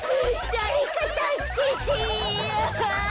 だれかたすけて。